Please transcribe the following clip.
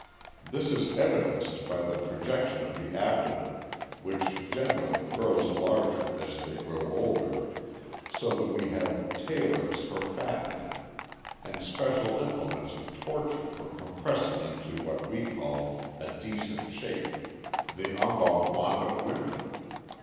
This is evidenced by the projection of the abdomen, which generally grows larger as they grow older; so that we have "tailors for fat men," and special implements of torture for compressing into what we call a decent shape the embonpoint of women.